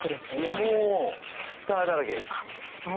もうスターだらけです。